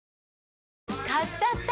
買っちゃった！